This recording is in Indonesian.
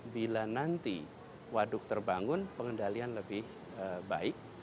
bila nanti waduk terbangun pengendalian lebih baik